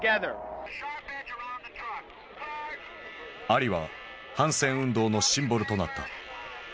アリは反戦運動のシンボルとなった。